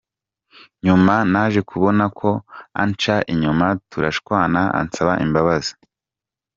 nyuma naje kubona ko anca inyuma turashwana ansaba imbabazi.